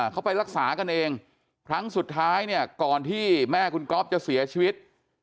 เขาไปรักษากันเองครั้งสุดท้ายเนี่ยก่อนที่แม่คุณก๊อฟจะเสียชีวิต